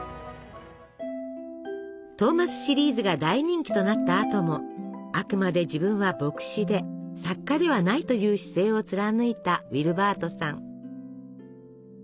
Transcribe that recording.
トーマスシリーズが大人気となったあともあくまで自分は牧師で作家ではないという姿勢を貫いたウィルバートさん。